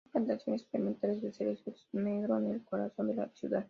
Hay plantaciones experimentales de cerezos negro en el corazón de la ciudad.